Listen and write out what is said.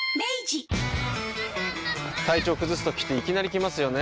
体調崩すときっていきなり来ますよね。